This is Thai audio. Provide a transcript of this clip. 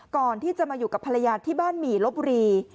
ก่อนที่จะมาอยู่กับภรรยาที่บ้านหมี่ลบบุรี